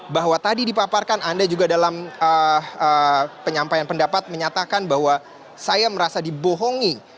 bahwa tadi dipaparkan anda juga dalam penyampaian pendapat menyatakan bahwa saya merasa dibohongi